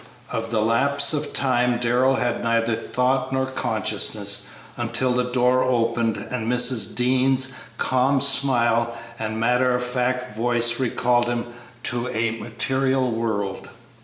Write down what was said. Of the lapse of time Darrell had neither thought nor consciousness until the door opened and Mrs. Dean's calm smile and matter of fact voice recalled him to a material world.